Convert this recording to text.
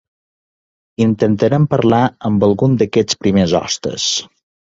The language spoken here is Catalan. Intentarem parlar amb algun d'aquests primers hostes.